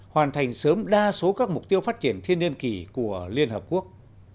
hoàn thành sớm đa số các mục tiêu phát triển thiên niên kỳ của liên hợp quốc